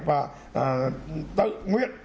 và tự nguyện